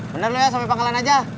bener loh ya sampai pangkalan aja